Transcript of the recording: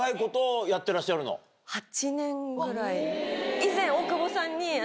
以前。